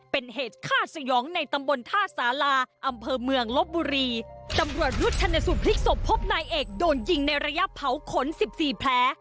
เป็นเหตุฆ่าสยองในตำบลท่าสาราอำเภอเมืองลบบุรีตำรวจชุดชนสูตรพลิกศพพบนายเอกโดนยิงในระยะเผาขนสิบสี่แผล